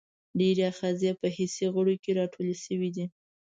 ډېری آخذې په حسي غړو کې را ټولې شوي دي.